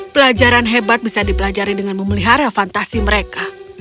pelajaran hebat bisa dipelajari dengan memelihara fantasi mereka